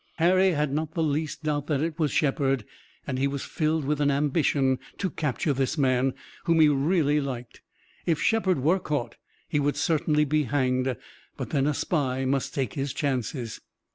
Harry had not the least doubt that it was Shepard, and he was filled with an ambition to capture this man, whom he really liked. If Shepard were caught he would certainly be hanged, but then a spy must take his chances.